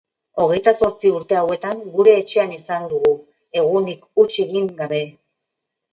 Hogeita zortzi urte hauetan gure etxean izan dugu, egunik huts egin gabe.